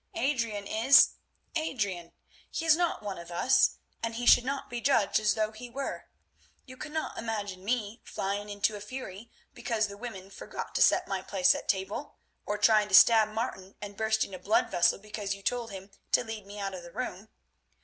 Adrian is—Adrian; he is not one of us, and he should not be judged as though he were. You cannot imagine me flying into a fury because the women forgot to set my place at table, or trying to stab Martin and bursting a blood vessel because you told him to lead me out of the room.